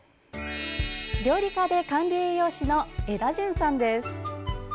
料理家で管理栄養士のエダジュンさんです。